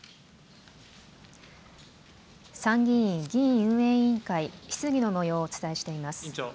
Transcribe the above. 参議院議院運営委員会質疑のもようをお伝えしています。